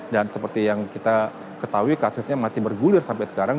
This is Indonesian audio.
dan seperti yang kita ketahui kasusnya masih bergulir sampai sekarang